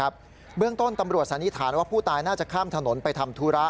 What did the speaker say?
เบื้องต้นตำรวจสันนิษฐานว่าผู้ตายน่าจะข้ามถนนไปทำธุระ